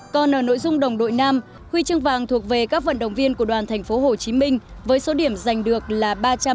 còn ở nội dung đồng đội nam huy chương vàng thuộc về các vận động viên của đoàn tp hcm với số điểm giành được là ba trăm một mươi hai một trăm hai mươi năm